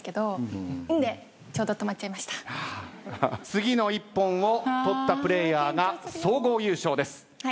次の一本を取ったプレーヤーが総合優勝です。